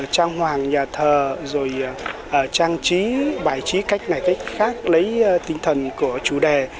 trang hoàng nhà thờ rồi trang trí bài trí cách này cách khác lấy tinh thần của chủ đề